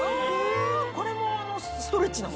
これもあのストレッチなの？